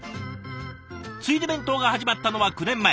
ついで弁当が始まったのは９年前。